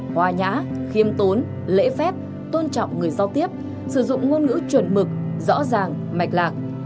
hoa nhã khiêm tốn lễ phép tôn trọng người giao tiếp sử dụng ngôn ngữ chuẩn mực rõ ràng mạch lạc